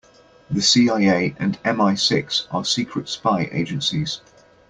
The CIA and MI-Six are secret spy agencies.